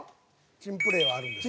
珍プレーはあるんですか？